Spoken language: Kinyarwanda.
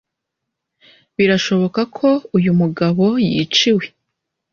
Birashoboka ko uyu mugabo yiciwe